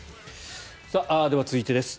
では、続いてです。